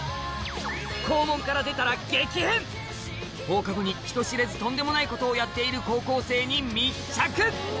放課後に人知れずとんでもないことをやっている高校生に密着！